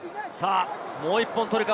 もう１本取るか？